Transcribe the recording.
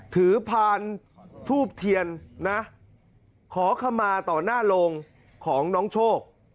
พานทูบเทียนนะขอขมาต่อหน้าโรงของน้องโชค